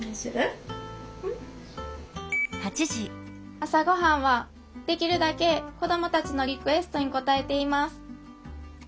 朝ごはんはできるだけ子どもたちのリクエストに応えています。